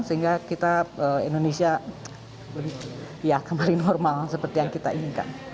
sehingga kita indonesia kembali normal seperti yang kita inginkan